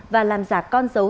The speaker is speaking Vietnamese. và làm giả con dấu